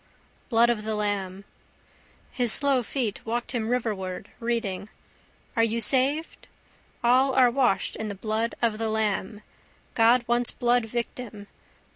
Blood of the Lamb. His slow feet walked him riverward, reading. Are you saved? All are washed in the blood of the lamb. God wants blood victim.